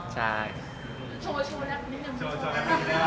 โชว์แบบนี้